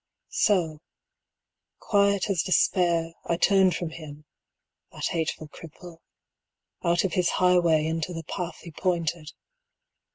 So, quiet as despair, I turned from him, That hateful cripple, out of his highway Into the path he pointed.